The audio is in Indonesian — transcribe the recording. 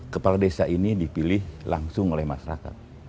kepala desa ini dipilih langsung oleh masyarakat